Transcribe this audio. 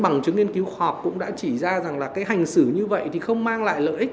bằng chứng nghiên cứu khoa học cũng đã chỉ ra rằng là cái hành xử như vậy thì không mang lại lợi ích